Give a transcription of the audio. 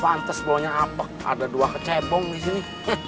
pantes baunya apek ada dua kecebong disini